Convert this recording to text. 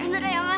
bener ya ma